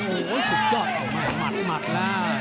โอ้โหสุดยอดออกมาหมัดแล้ว